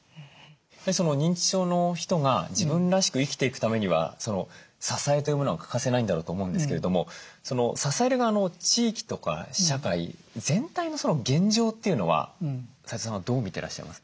認知症の人が自分らしく生きていくためには支えというものが欠かせないんだろうと思うんですけれども支える側の地域とか社会全体の現状というのは齋藤さんはどう見てらっしゃいますか？